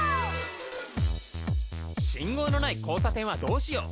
信号のない交差点はどうしよう！